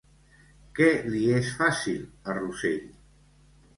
Què li es fàcil a Rosell?